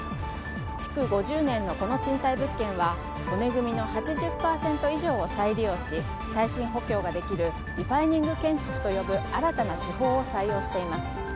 築５０年のこの賃貸物件は骨組みの８０％以上を再利用し耐震補強ができるリファイニング建築と呼ぶ新たな手法を採用しています。